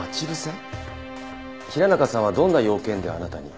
平中さんはどんな用件であなたに？